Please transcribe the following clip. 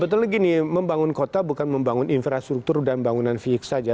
sebetulnya gini membangun kota bukan membangun infrastruktur dan bangunan fix saja